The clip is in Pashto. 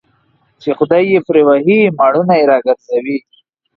چي خداى يې پري وهي مړونه يې راگرځوي